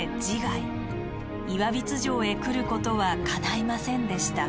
岩櫃城へ来ることはかないませんでした。